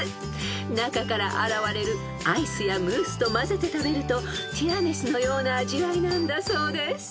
［中から現れるアイスやムースとまぜて食べるとティラミスのような味わいなんだそうです］